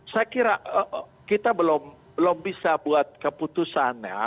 saya kira kita belum bisa buat keputusannya